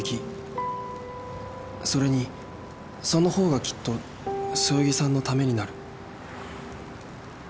それにそのほうがきっとそよぎさんのためになる